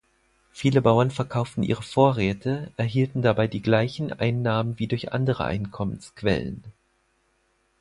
Viele Bauern verkauften ihre Vorräte, erhielten dabei die gleichen Einnahmen wie durch andere Einkommensquellen.